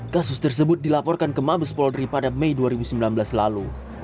kasus tersebut dilaporkan ke mabes polri pada mei dua ribu sembilan belas lalu